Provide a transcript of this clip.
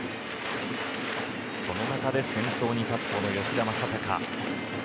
その中で先頭に立つこの吉田正尚。